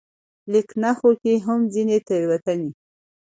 ليکنښو کې هم ځينې تېروتنې